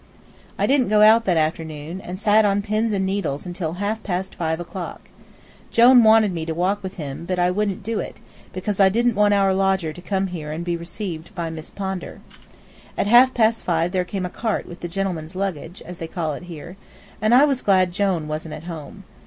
I didn't go out that afternoon, and sat on pins and needles until half past five o'clock. Jone wanted me to walk with him, but I wouldn't do it, because I didn't want our lodger to come here and be received by Miss Pondar. At half past five there came a cart with the gentleman's luggage, as they call it here, and I was glad Jone wasn't at home.